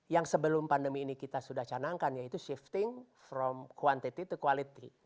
yang sebelum pandemi ini kita sudah canangkan yaitu shifting from quantiti to quality